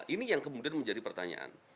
ini yang kemudian menjadi pertanyaan